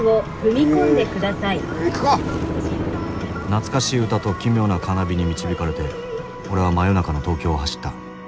懐かしい歌と奇妙なカーナビに導かれて俺は真夜中の東京を走った。